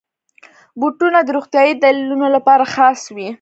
بوټونه د روغتیايي دلیلونو لپاره خاص وي.